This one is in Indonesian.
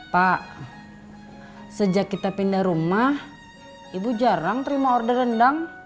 pak sejak kita pindah rumah ibu jarang terima order rendang